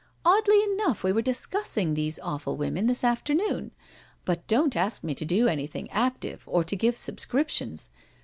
Oddly enough we were discussing these awful women this BRACKENHILL HALL 49 afternoon, but don't ask me to do anything active or to give subscriptions.